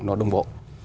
nó đông bộ